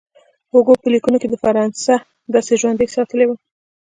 هوګو په لیکونو کې فرانسه داسې ژوندۍ ساتلې وه.